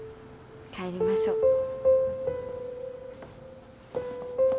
帰りましょう。